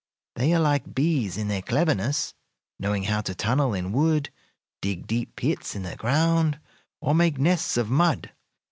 They are like bees in their cleverness, knowing how to tunnel in wood, dig deep pits in the ground, or make nests of mud.